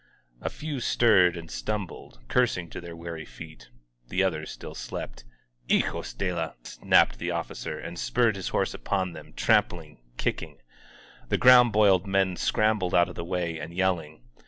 A few stirred and stumbled, cursing, to their weary feet — ^the others still slept. Hijos de la !*' snapped the officer, and spurred his horse upon them, trampling, kicking. ••• The ground boiled men scrambling out of the way and yell ing.